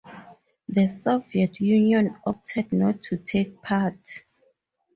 The Soviet Union opted not to take part.